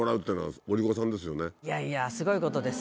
いやいやすごいことです。